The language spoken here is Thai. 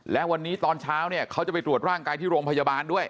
และวันนี้ตอนเช้าเนี่ยเขาจะไปตรวจร่างกายที่โรงพยาบาลด้วย